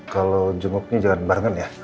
kalau jenguknya jangan barengan ya